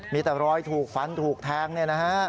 มีแต่รอยถูกฟันถูกแทงเนี่ยนะฮะ